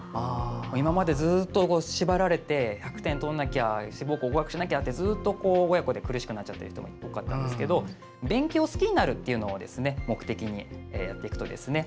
今までずっと縛られて１００点取らなきゃ志望校合格しなきゃってずっと親子で苦しくなっている方が多かったんですが勉強を好きになるというのを目的にやっていくとベストです。